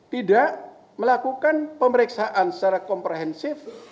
tidak melakukan pemeriksaan secara komprehensif